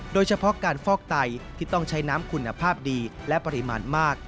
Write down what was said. โดยเฉพาะการฟอกไตที่ต้องใช้น้ำคุณภาพดีและปริมาณมาก